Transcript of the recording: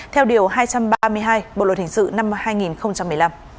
theo điều hai trăm ba mươi hai bộ luật hình sự năm hai nghìn một mươi năm